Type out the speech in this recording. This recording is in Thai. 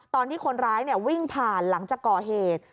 ตอนที่คนร้ายวิ่งผ่านหลังจากก่อเหตุ